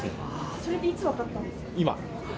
それっていつ分かったんです今。